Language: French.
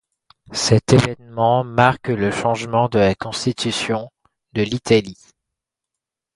Cet évènement marque le changement de la constitution de l'Italie.